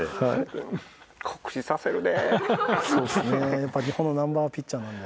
やっぱり日本のナンバーワンピッチャーなんで。